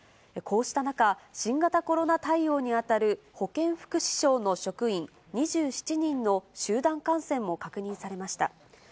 こうした中、新型コロナ対応に当たる保健福祉省の職員２７人の集団感染も確認されました。